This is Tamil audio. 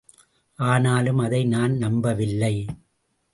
ஆனாலும் அதை நான் நம்பவில்லை.